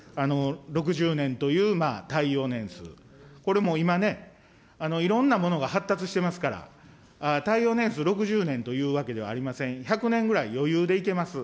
６０年という耐用年数、これもう今ね、いろんなものが発達してますから、耐用年数６０年というわけではありません、１００年ぐらい余裕でいけます。